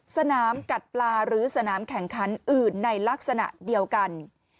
สนามกัดปลาหรือสนามแข่งขันอื่นในลักษณะเดียวกัน